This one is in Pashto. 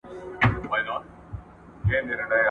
د قمرۍ پرله پسې هڅو د حیات الله پام ځانته ورواړاوه.